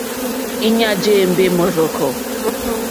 Íɲá jé ěmbé mɔ́rzɔ̀kɔ̀.